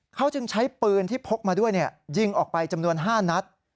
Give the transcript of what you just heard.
เขาจึงใช้ปืนที่พกมาด้วยยิงออกไปจำนวน๕นัด